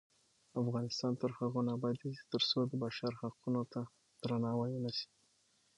افغانستان تر هغو نه ابادیږي، ترڅو د بشر حقونو ته درناوی ونشي.